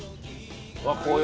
うわっ紅葉。